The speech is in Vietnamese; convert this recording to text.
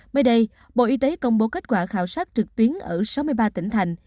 mới đây bộ y tế công bố kết quả khảo sát trực tuyến ở sáu mươi ba tỉnh thành